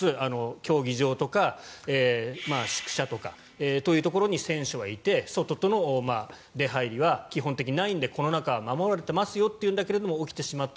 競技場とか宿舎とかに選手はいて外との出入りは基本的にないのでこの中は守られていますよということですが起きてしまった。